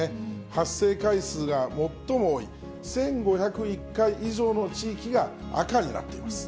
発生回数が最も多い１５０１回以上の地域が赤になっています。